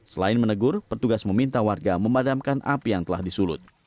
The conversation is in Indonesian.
selain menegur petugas meminta warga memadamkan api yang telah disulut